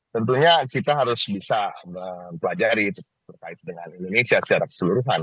tentunya kita harus bisa mempelajari terkait dengan indonesia secara keseluruhan